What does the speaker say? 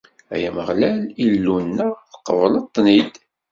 Ay Ameɣlal, Illu-nneɣ, tqebleḍ-ten-id.